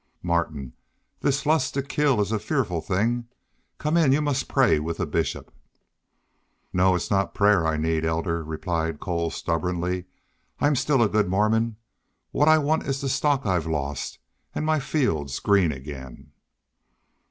"Martin, this lust to kill is a fearful thing. Come in, you must pray with the Bishop." "No, it's not prayer I need, Elder," replied Cole, stubbornly. "I'm still a good Mormon. What I want is the stock I've lost, and my fields green again."